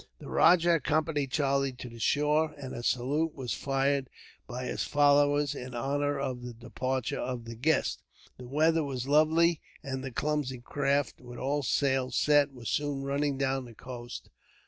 The rajah accompanied Charlie to the shore, and a salute was fired, by his followers, in honor of the departure of the guest. The weather was lovely, and the clumsy craft, with all sail set, was soon running down the coast.